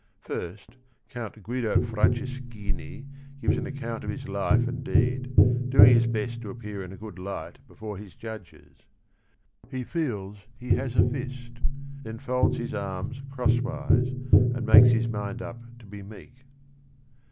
First, C ount_ Guido Franceschini gives his account of his life and deed, doing his best to appear in a good light before his judges. "He feels he has a fist, then folds his arms Crosswise, and makes his mind up to be meek."